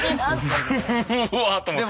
うわと思って。